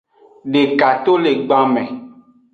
Deka to le gban me.